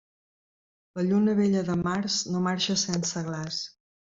La lluna vella de març no marxa sense glaç.